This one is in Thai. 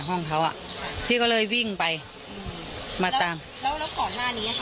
ห้องเขาอ่ะพี่ก็เลยวิ่งไปอืมมาตามแล้วแล้วก่อนหน้านี้อ่ะค่ะ